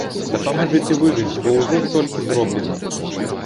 Дапамажыце выжыць, бо ўжо столькі зроблена!